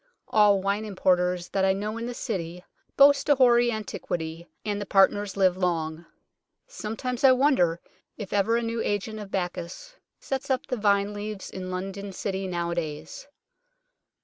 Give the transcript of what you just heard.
All wine importers that I know in the City boast a hoary antiquity, and the partners live long. Sometimes I wonder if ever a new agent of Bacchus sets up the vine leaves in London City nowadays.